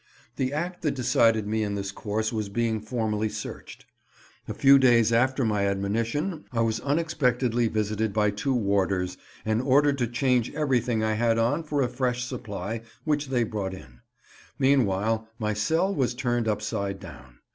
The act that decided me in this course was being formally searched. A few days after my admonition I was unexpectedly visited by two warders, and ordered to change everything I had on for a fresh supply, which they brought in. Meanwhile my cell was turned upside down.